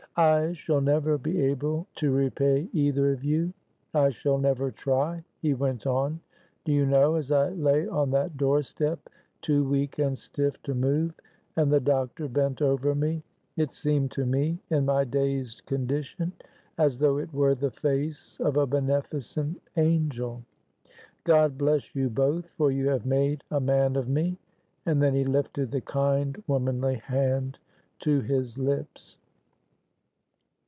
"I shall never be able to repay either of you. I shall never try," he went on. "Do you know, as I lay on that doorstep too weak and stiff to move, and the doctor bent over me, it seemed to me, in my dazed condition, as though it were the face of a beneficent angel. God bless you both, for you have made a man of me." And then he lifted the kind, womanly hand to his lips.